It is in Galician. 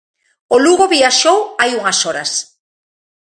O Lugo viaxou hai unhas horas.